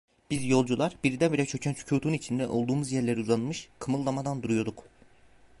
Biz yolcular, birdenbire çöken sükutun içinde, olduğumuz yerlere uzanmış, kımıldamadan duruyorduk.